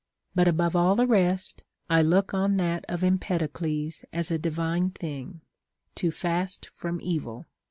But above all the rest, I look on that of Empedocles as a divine thing, '' To fast from evil."